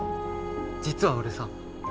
実は俺さ。